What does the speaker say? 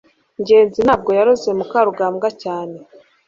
ngenzi ntabwo yaroze mukarugambwa cyane